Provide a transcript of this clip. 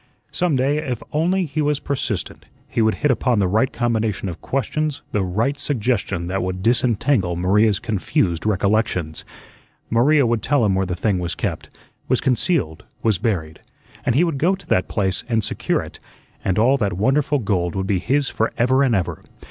Some day, if only he was persistent, he would hit upon the right combination of questions, the right suggestion that would disentangle Maria's confused recollections. Maria would tell him where the thing was kept, was concealed, was buried, and he would go to that place and secure it, and all that wonderful gold would be his forever and forever.